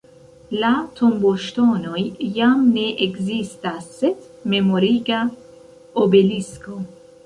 La tomboŝtonoj jam ne ekzistas sed memoriga obelisko.